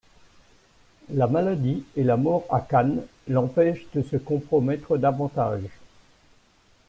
La maladie et la mort à Cannes l'empêchent de se compromettre davantage.